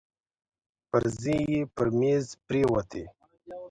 پرزې يې پر مېز پرتې وې.